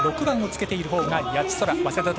６番をつけているほうが谷地宙。